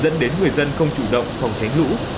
nhiều người dân không chủ động phòng tránh lũ